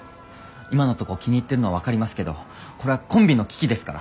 今のとこ気に入ってるのは分かりますけどこれはコンビの危機ですから。